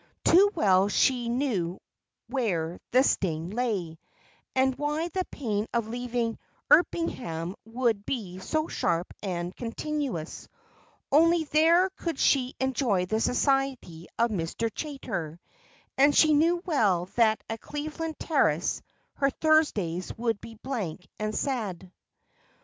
Too well she knew where the sting lay, and why the pain of leaving Erpingham would be so sharp and continuous; only there could she enjoy the society of Mr. Chaytor, and she knew well that at Cleveland Terrace her Thursdays would be blank and sad.